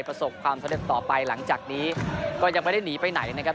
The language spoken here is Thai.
ประสบความสำเร็จต่อไปหลังจากนี้ก็ยังไม่ได้หนีไปไหนนะครับ